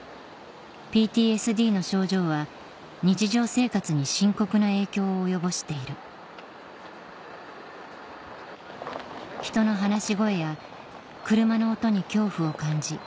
ＰＴＳＤの症状は日常生活に深刻な影響を及ぼしている人の話し声や車の音に恐怖を感じ